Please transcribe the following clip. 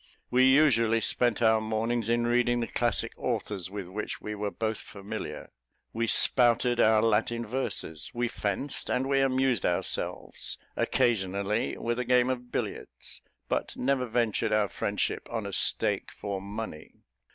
We usually spent our mornings in reading the classic authors with which we were both familiar; we spouted our Latin verses; we fenced; and we amused ourselves, occasionally, with a game of billiards, but never ventured our friendship on a stake for money.